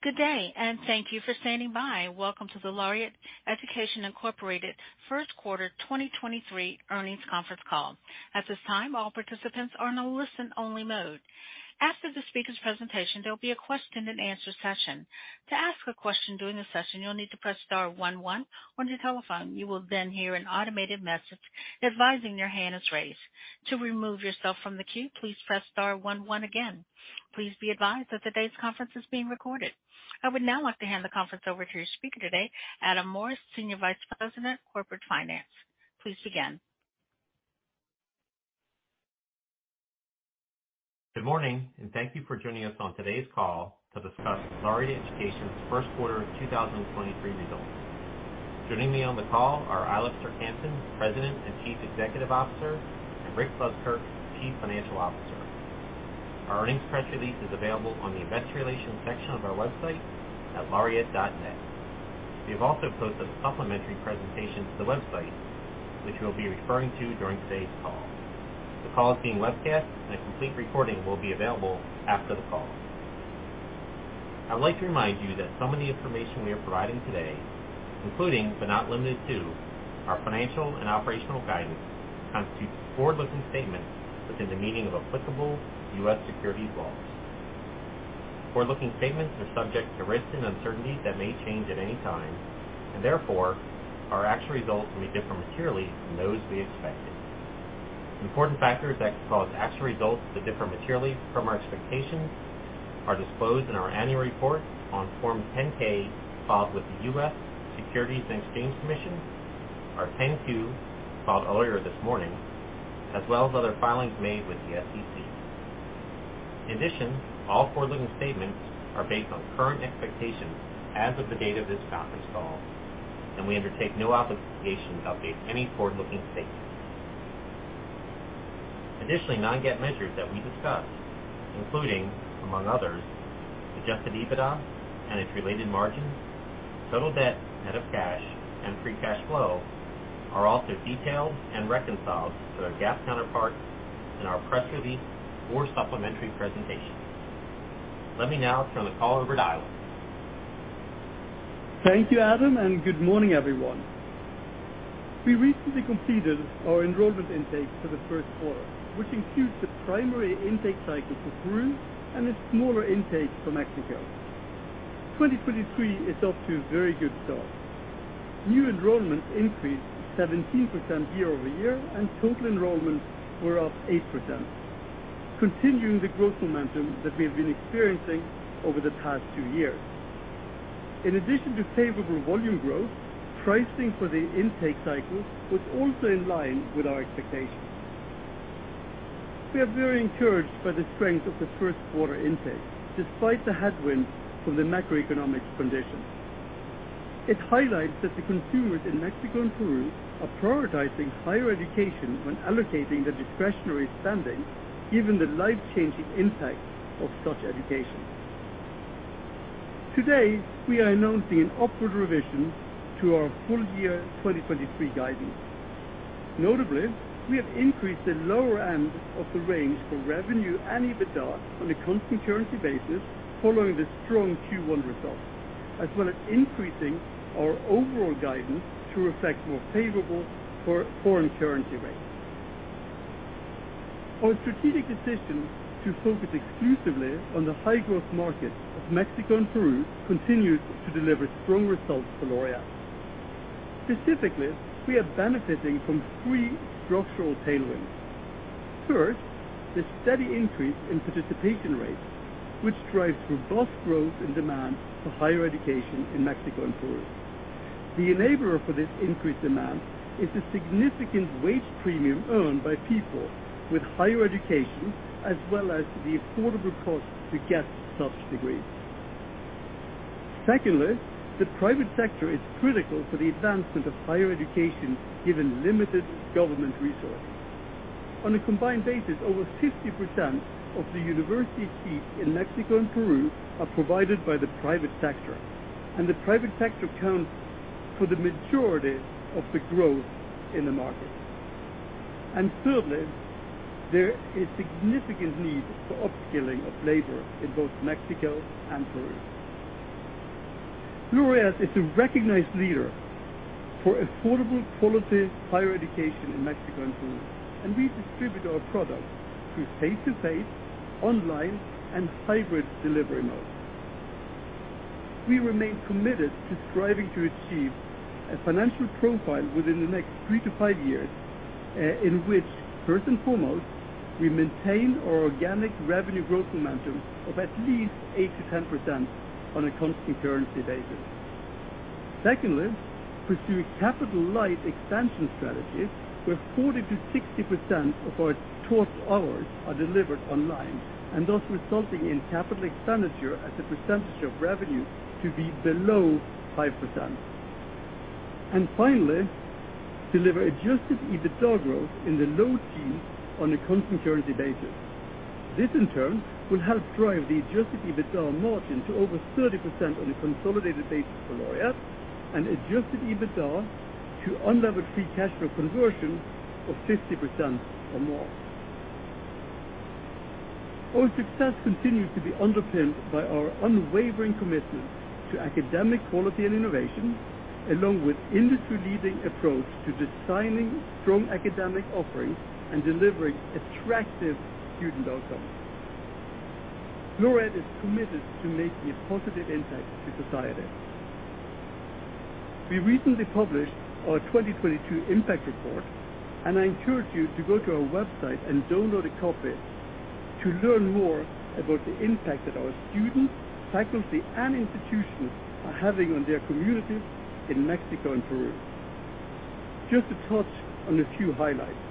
Good day. Thank you for standing by. Welcome to the Laureate Education, Inc First Quarter 2023 Earnings Conference Call. At this time, all participants are in a listen-only mode. After the speakers' presentation, there will be a question-and-answer session. To ask a question during the session, you'll need to press star one one on your telephone. You will hear an automated message advising your hand is raised. To remove yourself from the queue, please press star one one again. Please be advised that today's conference is being recorded. I would now like to hand the conference over to your speaker today, Adam Morse, Senior Vice President, Corporate Finance. Please begin. Good morning, and thank you for joining us on today's call to discuss Laureate Education's first quarter of 2023 results. Joining me on the call are Eilif Serck-Hanssen, President and Chief Executive Officer, and Rick Buskirk, Chief Financial Officer. Our earnings press release is available on the investor relations section of our website at laureate.net. We have also posted a supplementary presentation to the website, which we'll be referring to during today's call. The call is being webcast, and a complete recording will be available after the call. I would like to remind you that some of the information we are providing today, including but not limited to our financial and operational guidance, constitutes forward-looking statements within the meaning of applicable U.S. securities laws. Forward-looking statements are subject to risks and uncertainties that may change at any time, therefore, our actual results may differ materially from those we expected. Important factors that could cause actual results to differ materially from our expectations are disclosed in our annual report on Form 10-K filed with the U.S. Securities and Exchange Commission, our 10-Q, filed earlier this morning, as well as other filings made with the SEC. All forward-looking statements are based on current expectations as of the date of this conference call, we undertake no obligation to update any forward-looking statements. Non-GAAP measures that we discuss, including among others, Adjusted EBITDA and its related margins, total debt net of cash, and free cash flow, are also detailed and reconciled to their GAAP counterparts in our press release or supplementary presentation. Let me now turn the call over to Eilif. Thank you, Adam, and good morning, everyone. We recently completed our enrollment intake for the first quarter, which includes the primary intake cycle for Peru and a smaller intake for Mexico. 2023 is off to a very good start. New enrollments increased 17% year-over-year, and total enrollments were up 8%, continuing the growth momentum that we have been experiencing over the past two years. In addition to favorable volume growth, pricing for the intake cycle was also in line with our expectations. We are very encouraged by the strength of the first quarter intake despite the headwinds from the macroeconomic conditions. It highlights that the consumers in Mexico and Peru are prioritizing higher education when allocating their discretionary spending, given the life-changing impact of such education. Today, we are announcing an upward revision to our full year 2023 guidance. Notably, we have increased the lower end of the range for revenue and EBITDA on a constant currency basis following the strong Q1 results, as well as increasing our overall guidance to reflect more favorable for foreign currency rates. Our strategic decision to focus exclusively on the high-growth market of Mexico and Peru continues to deliver strong results for Laureate. Specifically, we are benefiting from three structural tailwinds. First, the steady increase in participation rates, which drives robust growth and demand for higher education in Mexico and Peru. The enabler for this increased demand is the significant wage premium earned by people with higher education, as well as the affordable cost to get such degrees. Secondly, the private sector is critical for the advancement of higher education, given limited government resources. On a combined basis, over 50% of the university fees in Mexico and Peru are provided by the private sector, and the private sector accounts for the majority of the growth in the market. Thirdly, there is significant need for upskilling of labor in both Mexico and Peru. Laureate is a recognized leader for affordable, quality higher education in Mexico and Peru, and we distribute our products through face-to-face, online, and hybrid delivery modes. We remain committed to striving to achieve a financial profile within the next three to five years, in which, first and foremost, we maintain our organic revenue growth momentum of at least 8%-10% on a constant currency basis. Secondly, pursue capital-light expansion strategies where 40%-60% of our taught hours are delivered online and thus resulting in capital expenditure as a percentage of revenue to be below 5%. Finally, deliver Adjusted EBITDA growth in the low teens on a constant currency basis. This, in turn, will help drive the Adjusted EBITDA margin to over 30% on a consolidated basis for Laureate and Adjusted EBITDA to unlevered free cash flow conversion of 50% or more. Our success continues to be underpinned by our unwavering commitment to academic quality and innovation, along with industry-leading approach to designing strong academic offerings and delivering attractive student outcomes. Laureate is committed to making a positive impact to society. We recently published our 2022 impact report. I encourage you to go to our website and download a copy to learn more about the impact that our students, faculty, and institutions are having on their communities in Mexico and Peru. Just to touch on a few highlights.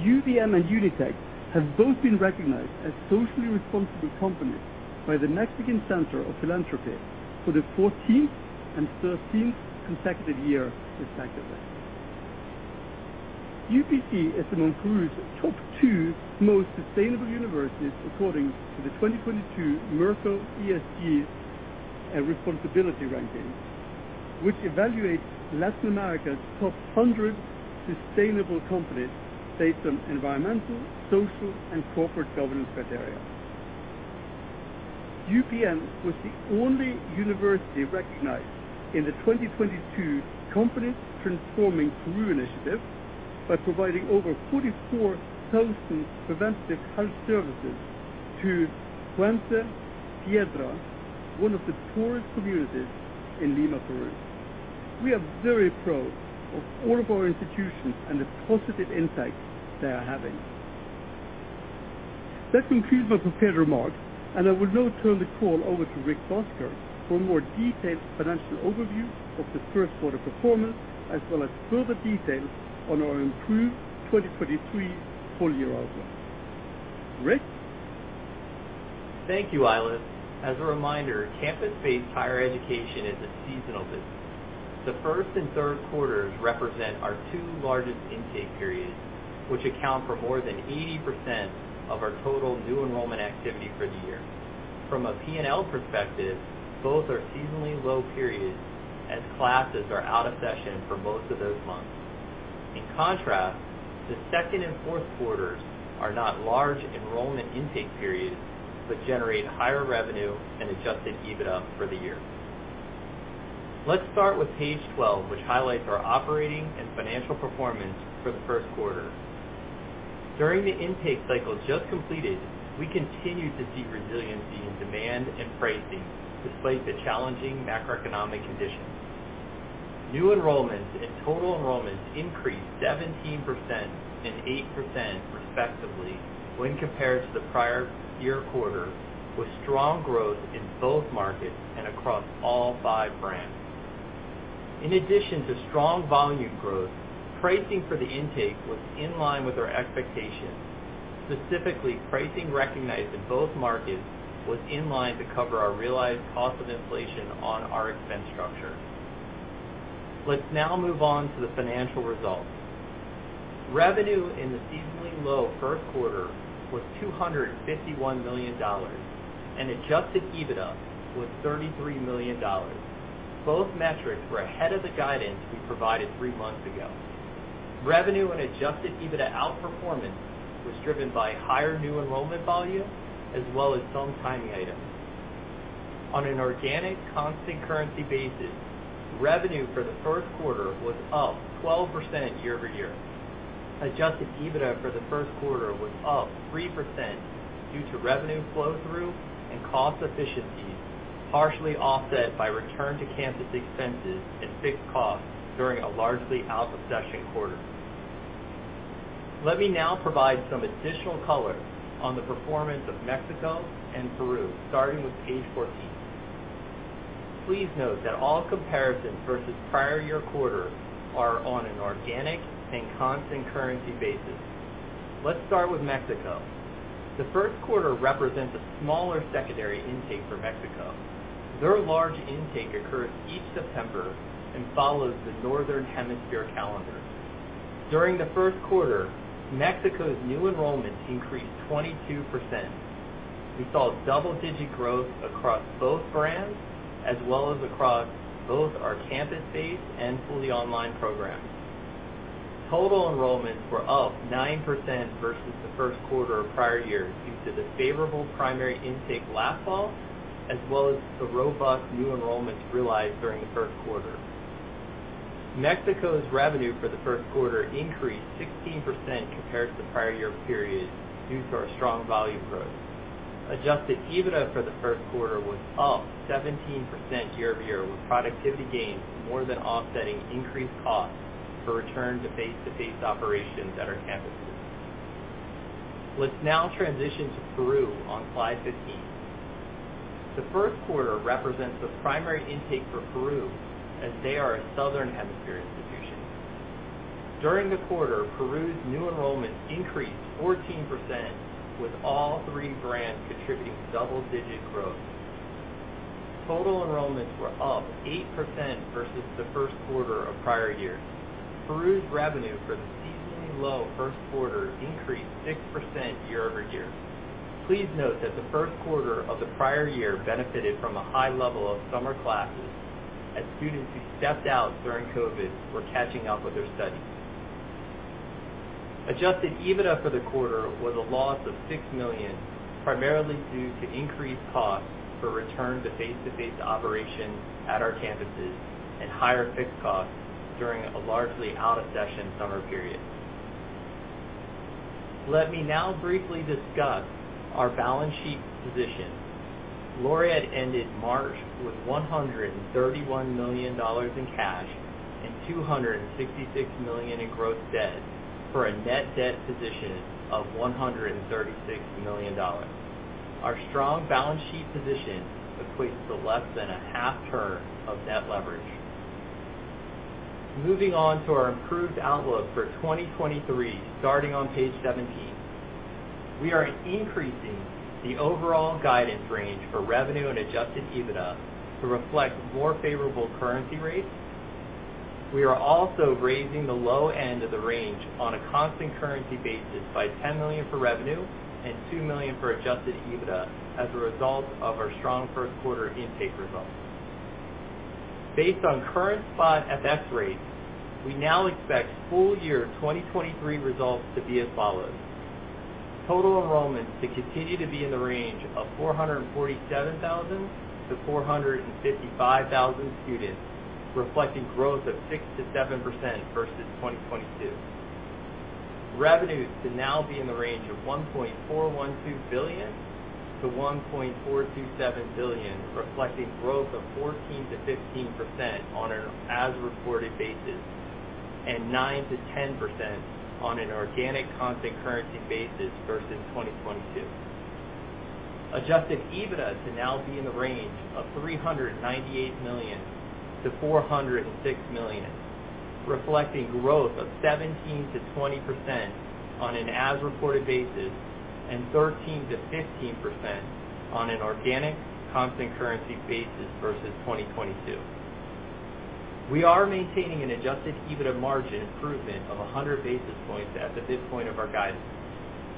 UVM and UNITEC have both been recognized as socially responsible companies by the Mexican Center for Philanthropy for the 14th and 13th consecutive year, respectively. UPC is among Peru's top two most sustainable universities, according to the 2022 Merco ESG Responsibility ranking, which evaluates Latin America's top 100 sustainable companies based on environmental, social, and corporate governance criteria. UPN was the only university recognized in the 2022 Companies Transforming Peru initiative by providing over 44,000 preventive health services to Puente Piedra, one of the poorest communities in Lima, Peru. We are very proud of all of our institutions and the positive impact they are having. That concludes my prepared remarks. I will now turn the call over to Rick Buskirk for a more detailed financial overview of the first quarter performance, as well as further details on our improved 2023 full-year outlook. Rick. Thank you, Eilif. As a reminder, campus-based higher education is a seasonal business. The first and third quarters represent our two largest intake periods, which account for more than 80% of our total new enrollment activity for the year. From a P&L perspective, both are seasonally low periods as classes are out of session for most of those months. In contrast, the second and fourth quarters are not large enrollment intake periods, but generate higher revenue and Adjusted EBITDA for the year. Let's start with Page 12, which highlights our operating and financial performance for the first quarter. During the intake cycle just completed, we continued to see resiliency in demand and pricing despite the challenging macroeconomic conditions. New enrollments and total enrollments increased 17% and 8% respectively when compared to the prior year quarter, with strong growth in both markets and across all five brands. In addition to strong volume growth, pricing for the intake was in line with our expectations. Specifically, pricing recognized in both markets was in line to cover our realized cost of inflation on our expense structure. Let's now move on to the financial results. Revenue in the seasonally low first quarter was $251 million, and Adjusted EBITDA was $33 million. Both metrics were ahead of the guidance we provided three months ago. Revenue and Adjusted EBITDA outperformance was driven by higher new enrollment volume as well as some timing items. On an organic constant currency basis, revenue for the first quarter was up 12% year-over-year. Adjusted EBITDA for the first quarter was up 3% due to revenue flow-through and cost efficiencies, partially offset by return to campus expenses and fixed costs during a largely out of session quarter. Let me now provide some additional color on the performance of Mexico and Peru, starting with Page 14. Please note that all comparisons versus prior year quarters are on an organic and constant currency basis. Let's start with Mexico. The first quarter represents a smaller secondary intake for Mexico. Their large intake occurs each September and follows the Northern Hemisphere calendar. During the first quarter, Mexico's new enrollments increased 22%. We saw double-digit growth across both brands as well as across both our campus-based and fully online programs. Total enrollments were up 9% versus the first quarter of prior year due to the favorable primary intake last fall, as well as the robust new enrollments realized during the first quarter. Mexico's revenue for the first quarter increased 16% compared to the prior year period due to our strong volume growth. Adjusted EBITDA for the first quarter was up 17% year-over-year, with productivity gains more than offsetting increased costs for return to face-to-face operations at our campuses. Let's now transition to Peru on Slide 15. The first quarter represents the primary intake for Peru, as they are a Southern Hemisphere institution. During the quarter, Peru's new enrollments increased 14%, with all three brands contributing double-digit growth. Total enrollments were up 8% versus the first quarter of prior year. Peru's revenue for the seasonally low first quarter increased 6% year-over-year. Please note that the first quarter of the prior year benefited from a high level of summer classesAs students who stepped out during COVID were catching up with their studies. Adjusted EBITDA for the quarter was a loss of $6 million, primarily due to increased costs for return to face-to-face operation at our campuses and higher fixed costs during a largely out-of-session summer period. Let me now briefly discuss our balance sheet position. Laureate ended March with $131 million in cash and $266 million in gross debt, for a net debt position of $136 million. Our strong balance sheet position equates to less than a half turn of net leverage. Moving on to our improved outlook for 2023, starting on Page 17. We are increasing the overall guidance range for revenue and Adjusted EBITDA to reflect more favorable currency rates. We are also raising the low end of the range on a constant currency basis by $10 million for revenue and $2 million for Adjusted EBITDA as a result of our strong first quarter intake results. Based on current spot FX rates, we now expect full year 2023 results to be as follows: Total enrollments to continue to be in the range of 447,000-455,000 students, reflecting growth of 6%-7% versus 2022. Revenues to now be in the range of $1.412 billion-$1.427 billion, reflecting growth of 14%-15% on an as-reported basis and 9%-10% on an organic constant currency basis versus 2022. Adjusted EBITDA to now be in the range of $398 million-$406 million, reflecting growth of 17%-20% on an as-reported basis and 13%-15% on an organic constant currency basis versus 2022. We are maintaining an Adjusted EBITDA margin improvement of 100 basis points as of this point of our guidance.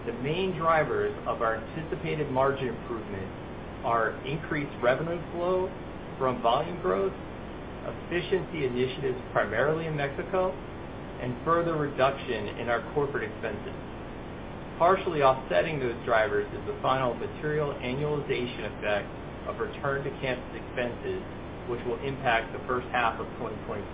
The main drivers of our anticipated margin improvement are increased revenue flow from volume growth, efficiency initiatives primarily in Mexico, and further reduction in our corporate expenses. Partially offsetting those drivers is the final material annualization effect of return to campus expenses, which will impact the first half of 2023.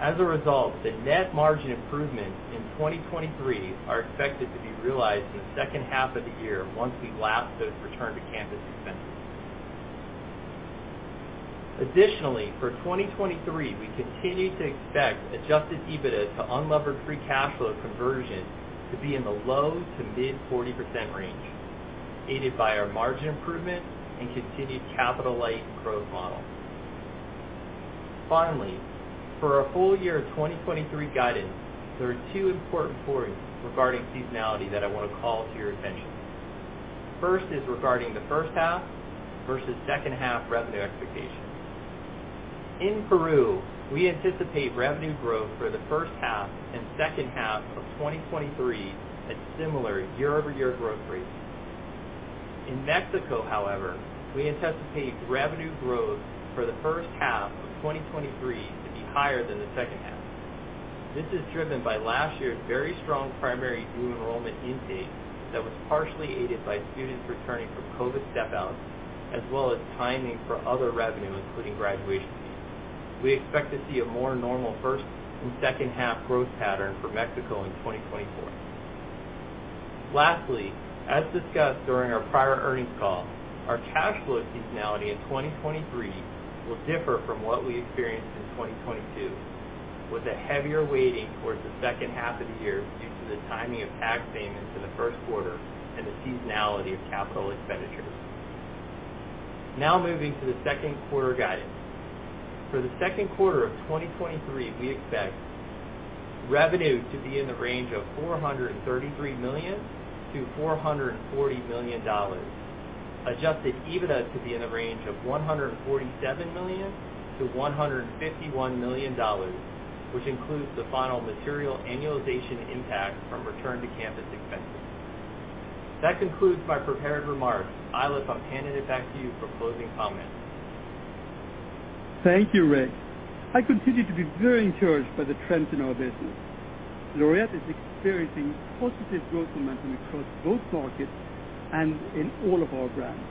As a result, the net margin improvements in 2023 are expected to be realized in the second half of the year once we lap those return to campus expenses. Additionally, for 2023, we continue to expect Adjusted EBITDA to unlevered free cash flow conversion to be in the low to mid 40% range, aided by our margin improvement and continued capital-light growth model. Finally, for our full year 2023 guidance, there are two important points regarding seasonality that I wanna call to your attention. First is regarding the first half versus second half revenue expectations. In Peru, we anticipate revenue growth for the first half and second half of 2023 at similar year-over-year growth rates. In Mexico, however, we anticipate revenue growth for the first half of 2023 to be higher than the second half. This is driven by last year's very strong primary new enrollment intake that was partially aided by students returning from COVID step-outs, as well as timing for other revenue, including graduation fees. We expect to see a more normal first and second half growth pattern for Mexico in 2024. As discussed during our prior earnings call, our cash flow seasonality in 2023 will differ from what we experienced in 2022, with a heavier weighting towards the second half of the year due to the timing of tax payments in the first quarter and the seasonality of capital expenditures. Moving to the second quarter guidance. For the second quarter of 2023, we expect revenue to be in the range of $433 million-$440 million. Adjusted EBITDA to be in the range of $147 million-$151 million, which includes the final material annualization impact from return to campus expenses. That concludes my prepared remarks. Eilif, I'm handing it back to you for closing comments. Thank you, Rick. I continue to be very encouraged by the trends in our business. Laureate is experiencing positive growth momentum across both markets and in all of our brands.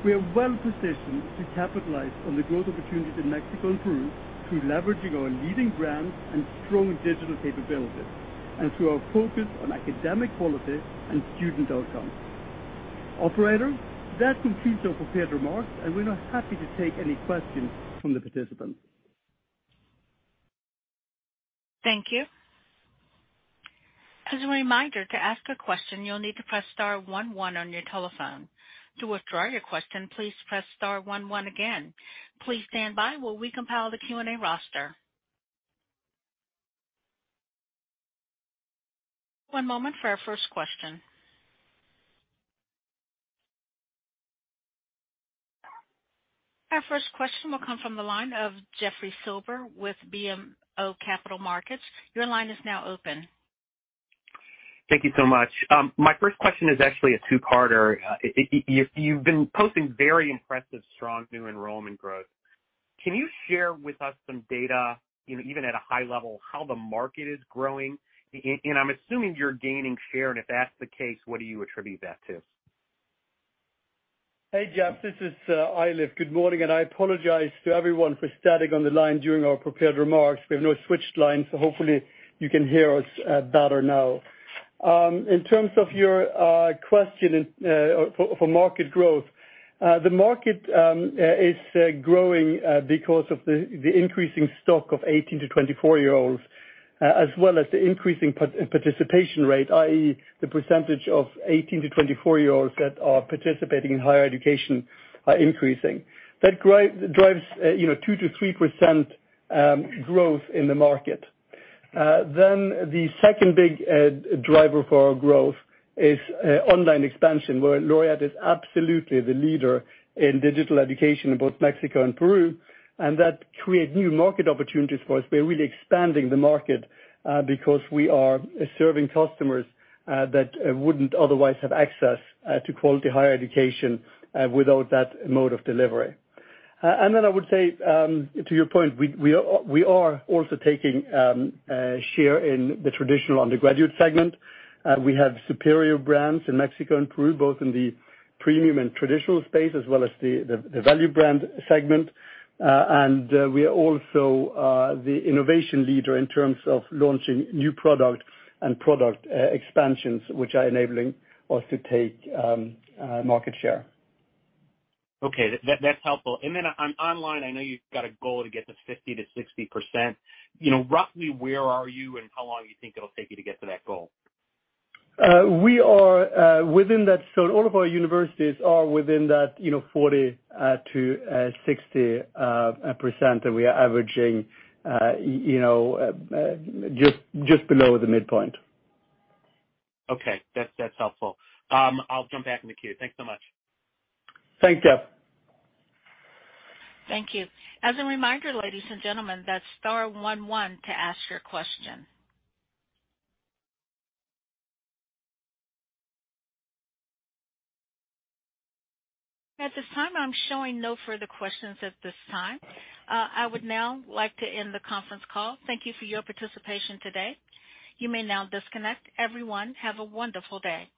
We are well-positioned to capitalize on the growth opportunities in Mexico and Peru through leveraging our leading brands and strong digital capabilities, and through our focus on academic quality and student outcomes. Operator, that completes our prepared remarks, and we're now happy to take any questions from the participants. Thank you. As a reminder, to ask a question, you'll need to press star one one on your telephone. To withdraw your question, please press star one one again. Please stand by while we compile the Q&A roster. One moment for our first question. Our first question will come from the line of Jeffrey Silber with BMO Capital Markets. Your line is now open. Thank you so much. My first question is actually a two-parter. You've been posting very impressive strong new enrollment growth. Can you share with us some data, you know, even at a high level, how the market is growing? I'm assuming you're gaining share, and if that's the case, what do you attribute that to? Hey, Jeff, this is Eilif. Good morning. I apologize to everyone for static on the line during our prepared remarks. We have now switched lines, so hopefully you can hear us better now. In terms of your question for market growth, the market is growing because of the increasing stock of 18 to 24-year-olds, as well as the increasing participation rate, i.e., the percentage of 18 to 24-year-olds that are participating in higher education are increasing. That drives, you know, 2%-3% growth in the market. The second big driver for our growth is online expansion, where Laureate is absolutely the leader in digital education in both Mexico and Peru, and that create new market opportunities for us. We're really expanding the market because we are serving customers that wouldn't otherwise have access to quality higher education without that mode of delivery. Then I would say, to your point, we are also taking share in the traditional undergraduate segment. We have superior brands in Mexico and Peru, both in the premium and traditional space, as well as the value brand segment. We are also the innovation leader in terms of launching new product and product expansions, which are enabling us to take market share. Okay. That's helpful. On online, I know you've got a goal to get to 50%-60%. You know, roughly, where are you and how long you think it'll take you to get to that goal? We are within that. All of our universities are within that, you know, 40%-60%, and we are averaging you know just below the midpoint. Okay, that's helpful. I'll jump back in the queue. Thanks so much. Thanks, Jeff. Thank you. As a reminder, ladies and gentlemen, that's star one one to ask your question. At this time, I'm showing no further questions at this time. I would now like to end the conference call. Thank you for your participation today. You may now disconnect. Everyone, have a wonderful day.